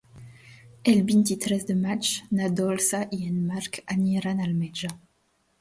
El vint-i-tres de maig na Dolça i en Marc aniran al metge.